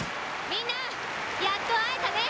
みんな、やっと会えたね。